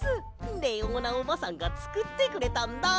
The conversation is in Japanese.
レオーナおばさんがつくってくれたんだ！